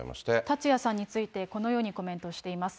達也さんについて、このようにコメントしています。